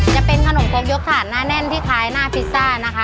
จะเป็นขนมครกยกถาดหน้าแน่นที่ท้ายหน้าพิซซ่านะคะ